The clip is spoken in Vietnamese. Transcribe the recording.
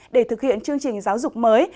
để thực hiện chương trình giáo dục mới